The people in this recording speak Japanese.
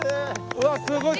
うわっすごい。